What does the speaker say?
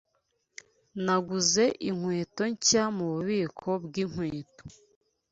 Naguze inkweto nshya mububiko bwinkweto.